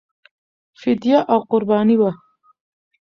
فدیه او قرباني وه.